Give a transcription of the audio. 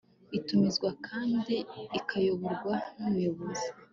itumizwa kandi ikayoborwa n'umuyobozi